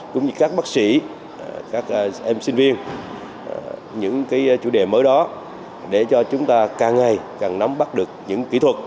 cũng như các bác sĩ các em sinh viên những chủ đề mới đó để cho chúng ta càng ngày càng nắm bắt được những kỹ thuật